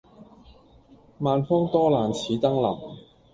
萬方多難此登臨。